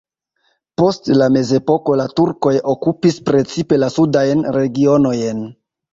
Post la mezepoko la turkoj okupis precipe la sudajn regionojn.